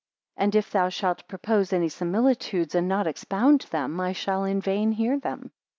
And if thou shalt propose any similitudes, and not expound them, I shall in vain hear them.